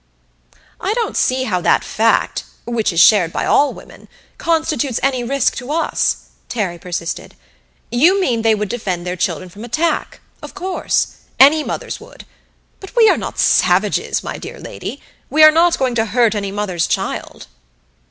"I don't see how that fact which is shared by all women constitutes any risk to us," Terry persisted. "You mean they would defend their children from attack. Of course. Any mothers would. But we are not savages, my dear lady; we are not going to hurt any mother's child."